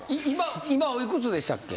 今お幾つでしたっけ？